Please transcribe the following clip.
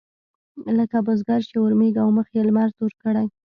لکه بزګر چې اورمېږ او مخ يې لمر تور کړي.